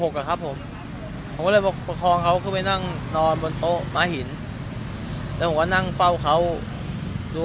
เขาให้คุยยิบหัวน้ำบาด